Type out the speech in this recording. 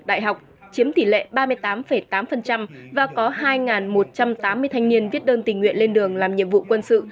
đại học chiếm tỷ lệ ba mươi tám tám và có hai một trăm tám mươi thanh niên viết đơn tình nguyện lên đường làm nhiệm vụ quân sự